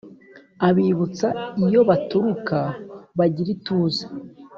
Abibutsa iyo baturuka bagira ituze